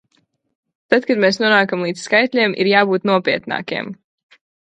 Tad, kad mēs nonākam līdz skaitļiem, ir jābūt nopietnākiem!